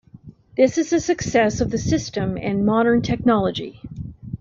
This is a success of the system and modern technology.